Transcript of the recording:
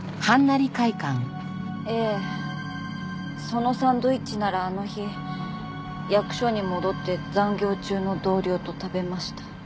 そのサンドイッチならあの日役所に戻って残業中の同僚と食べました。